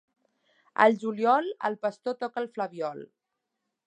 Al juliol, el pastor toca el flabiol.